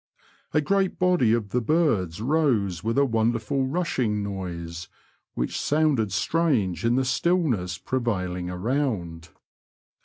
A great body of the birds rose with a wonderful rushing noise, which sounded strange in the stillness prevailing around.